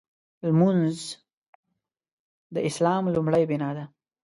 لمونځ د اسلام لومړۍ بناء ده.